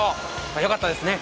良かったですね